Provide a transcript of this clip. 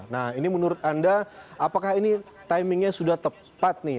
nah ini menurut anda apakah ini timingnya sudah tepat nih